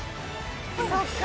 そっか。